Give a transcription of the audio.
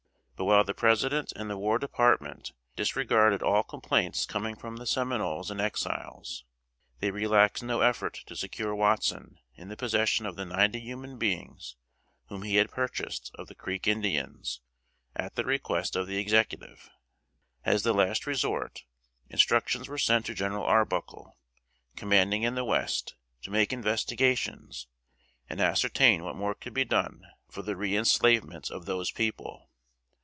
But while the President and the War Department disregarded all complaints coming from the Seminoles and Exiles, they relaxed no effort to secure Watson in the possession of the ninety human beings whom he had purchased of the Creek Indians, at the request of the Executive. As the last resort, instructions were sent to General Arbuckle, commanding in the West, to make investigations, and ascertain what more could be done for the reënslavement of those people.